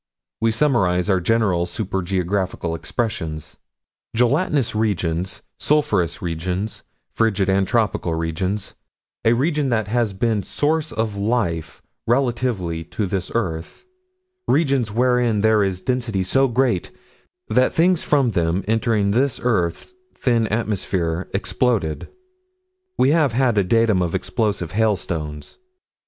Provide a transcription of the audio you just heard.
We summarize our general super geographical expressions: Gelatinous regions, sulphurous regions, frigid and tropical regions: a region that has been Source of Life relatively to this earth: regions wherein there is density so great that things from them, entering this earth's thin atmosphere, explode. We have had a datum of explosive hailstones.